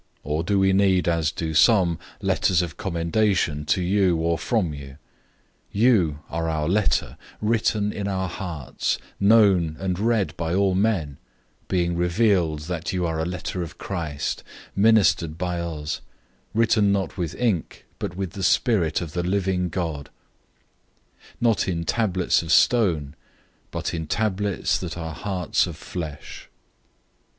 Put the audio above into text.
Or do we need, as do some, letters of commendation to you or from you? 003:002 You are our letter, written in our hearts, known and read by all men; 003:003 being revealed that you are a letter of Christ, served by us, written not with ink, but with the Spirit of the living God; not in tablets of stone, but in tablets that are hearts of flesh.